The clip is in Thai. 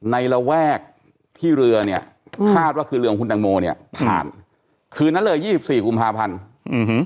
ระแวกที่เรือเนี่ยคาดว่าคือเรือของคุณตังโมเนี่ยผ่านคืนนั้นเลยยี่สิบสี่กุมภาพันธ์อืม